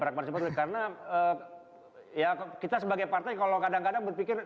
ya pragmatisme politik karena kita sebagai partai kalau kadang kadang berpikir